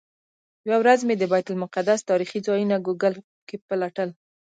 یوه ورځ مې د بیت المقدس تاریخي ځایونه ګوګل کې پلټل.